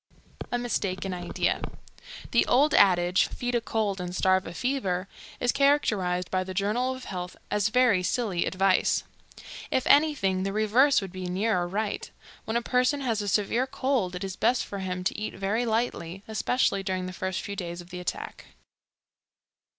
A Mistaken Idea. The old adage. "Feed a cold and starve a fever." is characterized by the Journal of Health as very silly advice. If anything, the reverse would be nearer right. When a person has a severe cold it is best for him to eat very lightly, especially during the first few days of the attack.